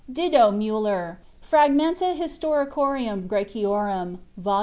(Didot Müller, "Fragmenta Historicorum Græcorum," vol.